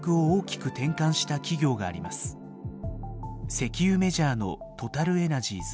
石油メジャーのトタル・エナジーズ。